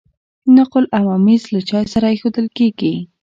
نقل او ممیز له چای سره ایښودل کیږي.